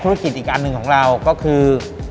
ธุรกิจอีกอันหนึ่งของเราก็คือ